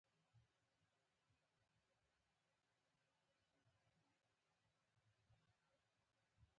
په خلاصو غوږو یې واوره !